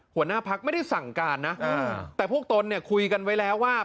หัวหน้าพักไม่ได้สั่งการนะแต่พวกตนเนี่ยคุยกันไว้แล้วว่า